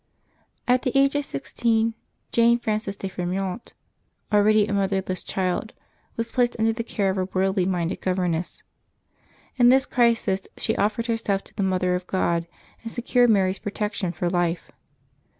aT the age of sixteen^, Jane Frances de Fremyot, already a motherless child, was placed under the care of a worldly minded governess. In this crisis she offered her self to the Mother of God, and secured Mary's protection for life.